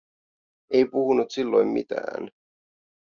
Ei puhunut silloin mitään.